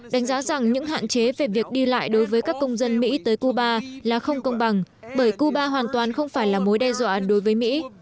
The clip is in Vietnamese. đánh giá rằng những hạn chế về việc đi lại đối với các công dân mỹ tới cuba là không công bằng bởi cuba hoàn toàn không phải là mối đe dọa đối với mỹ